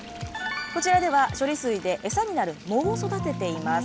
こちらでは処理水で餌になる藻を育てています。